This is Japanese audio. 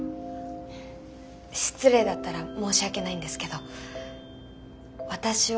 失礼だったら申し訳ないんですけど私はそう思います。